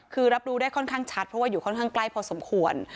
คือรับรู้ได้ค่อนข้างชัดเพราะว่าอยู่ค่อนข้างใกล้พอสมควร